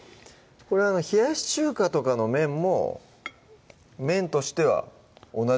これ冷やし中華とかの麺も麺としては同じ工程ですか？